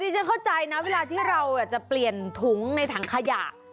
ฉันเข้าใจนะเวลาที่เราจะเปลี่ยนถุงในถังขยะ